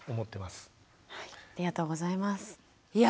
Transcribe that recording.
ありがとうございます。